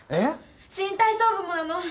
新体操部もなの。